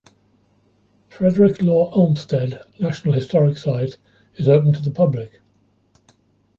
Frederick Law Olmsted National Historic Site is open to the public.